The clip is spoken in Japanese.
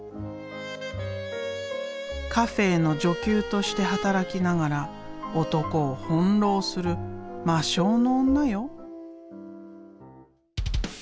カフェーの女給として働きながら男を翻弄する魔性の女よ。